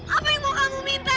apa yang mau kamu minta